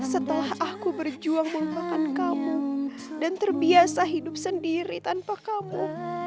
setelah aku berjuang merupakan kamu dan terbiasa hidup sendiri tanpa kamu